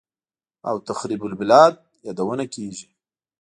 او «تخریب البلاد» یادونه کېږي